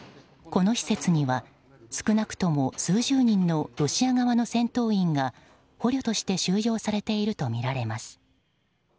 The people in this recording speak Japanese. この施設には少なくとも数十人のロシア側の戦闘員が捕虜として収容されているとみられます。